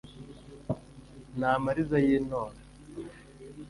N’amariza y’i Ntora,